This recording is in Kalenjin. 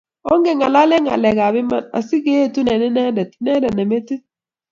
Ongengalal ngalek ab iman asikeetu eng Inendet, inendet ne metit